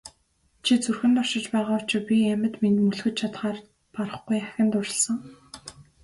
Чи зүрхэнд оршиж байгаа учир би амьд мэнд мөлхөж чадахаар барахгүй ахин дурласан.